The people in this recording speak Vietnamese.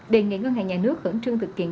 đề nghị ngân hàng nhà nước khẩn trương thực hiện